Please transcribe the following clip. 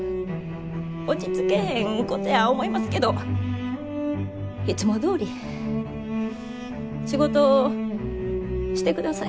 落ち着けへんことや思いますけどいつもどおり仕事してください。